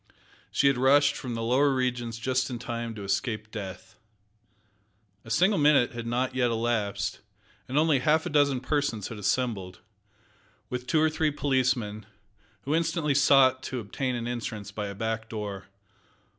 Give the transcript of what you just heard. She had rushed from the lower regions just in time to escape death. A single minute had not yet elapsed, and only half a dozen persons had assembled, with two or three policemen, who instantly sought to obtain an entrance by a back door.